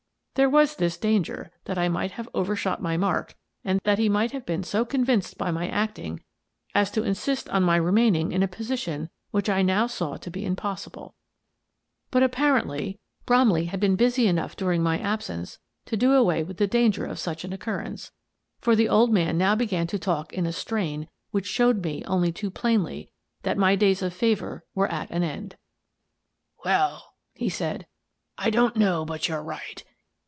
There was this danger, that I might have over shot my mark and that he might have been so con vinced by my acting as to insist on my remaining in a position which I now saw to be impossible. But apparently Bromley had been busy enough dur 236 Miss Frances Baird, Detective ing my absence to do away with the danger of such an occurrence, for the old man now began to talk in a strain which showed me only too plainly that my days of favour were at an end. " Well," he said, " I don't know but you're right.